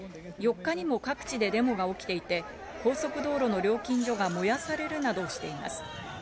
４日にも各地でデモが起きていて、高速道路の料金所が燃やされるなどしています。